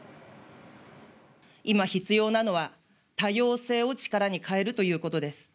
今必要なのは、多様性を力に変えるということです。